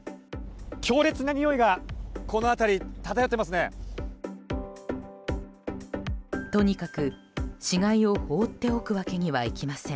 強烈なにおいがこの辺り、漂ってますね。